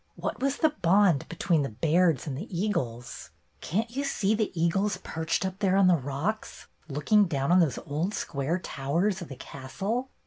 "What was the bond between the Bairds and the eagles ? Can't you see the eagles perched up there on their rocks, looking down on those old square towers of the castle